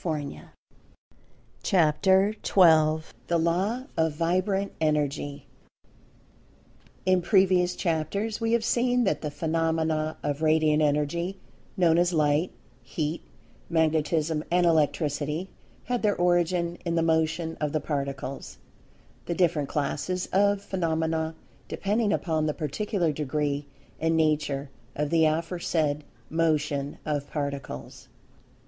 [Pg 171] CHAPTER XII THE LAW OF VIBRANT ENERGY IN previous chapters we have seen that the phenomena of Radiant Energy, known as Light, Heat, Magnetism and Electricity, had their origin in the Motion of the Particles, the different classes of phenomena depending upon the particular degree and nature of the aforesaid Motion of Particles.